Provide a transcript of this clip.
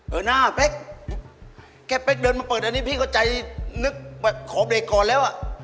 เออหน้าเป๊กแค่เป๊กเดินมาเปิดอันนี้พี่ก็ใจนึกขอเบรกก่อนแล้วอ่ะ